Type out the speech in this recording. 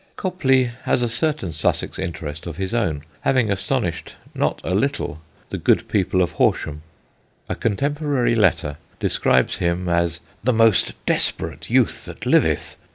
Copley has a certain Sussex interest of his own, having astonished not a little the good people of Horsham. A contemporary letter describes him as "the most desperate youth that liveth.